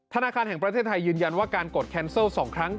ธนาคารแห่งประเทศไทยยืนยันว่าการกดแคนเซิล๒ครั้ง